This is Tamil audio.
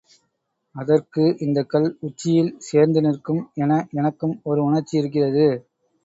அதற்கு இந்தக்கல் உச்சியில் சேர்ந்து நிற்கும் என எனக்கும் ஒரு உணர்ச்சி இருக்கிறது.